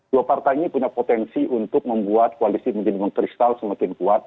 dua partai ini punya potensi untuk membuat koalisi menjadi mengkristal semakin kuat